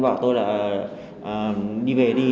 thái bảo tôi là đi về đi